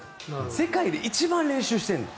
世界で一番練習してるんだ。